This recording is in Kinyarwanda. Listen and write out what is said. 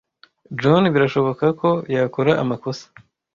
John birashoboka ko yakora amakosa.